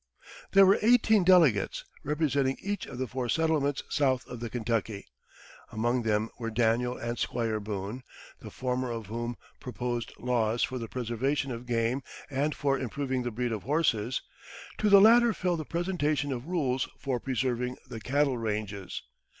There were eighteen delegates, representing each of the four settlements south of the Kentucky. Among them were Daniel and Squire Boone, the former of whom proposed laws for the preservation of game and for improving the breed of horses; to the latter fell the presentation of rules for preserving the cattle ranges.